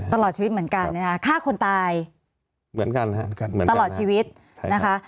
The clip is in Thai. ตลอดชีวิตเหมือนกันฆ่าคนตายเหมือนกันนะคะ